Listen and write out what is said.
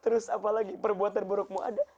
terus apalagi perbuatan burukmu ada